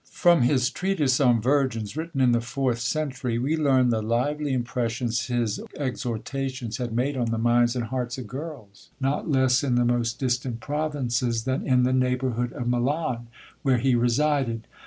From his "Treatise on Virgins," written in the fourth century, we learn the lively impressions his exhortations had made on the minds and hearts of girls, not less in the most distant provinces, than in the neighbourhood of Milan, where he resided.